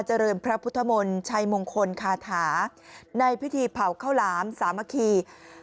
เจริญพระพุทธมนต์ชัยมงคลคาถาในพิธีเผาข้าวหลามสามัคคี